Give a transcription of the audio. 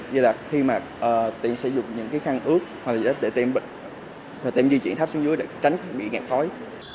vậy là khi mà tụi em sử dụng những khăn ướt hoặc để tìm di chuyển tháp xuống dưới để tránh bị nghẹp khói